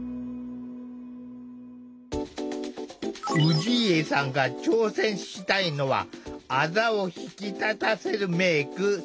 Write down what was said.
氏家さんが挑戦したいのはあざを引き立たせるメーク。